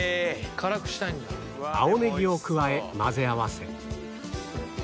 青ネギを加え混ぜ合わせ